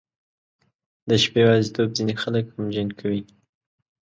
• د شپې یوازیتوب ځینې خلک غمجن کوي.